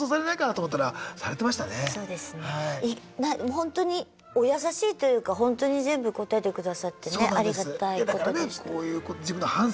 ほんとにお優しいというかほんとに全部答えてくださってねありがたいことでした。